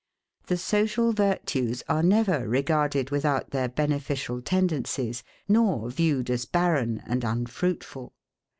The social virtues are never regarded without their beneficial tendencies, nor viewed as barren and unfruitful.